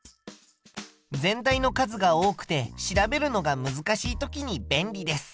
全体の数が多くて調べるのが難しい時に便利です。